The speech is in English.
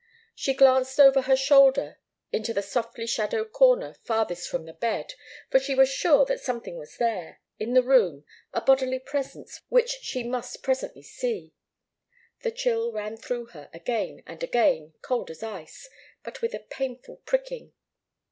She glanced over her shoulder into the softly shadowed corner farthest from the bed; for she was sure that something was there, in the room, a bodily presence, which she must presently see. The chill ran through her again and again, cold as ice, but with a painful pricking.